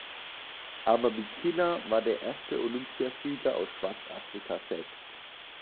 Aber Bikila war der erste Olympiasieger aus Schwarzafrika selbst.